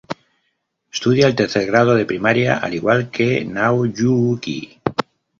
Estudia el tercer grado de primaria al igual que Nao Yuuki.